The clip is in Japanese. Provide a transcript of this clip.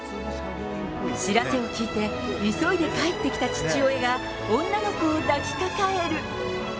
知らせを聞いて、急いで帰ってきた父親が女の子を抱きかかえる。